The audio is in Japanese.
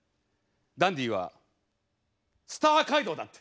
ダンディはスター街道だって。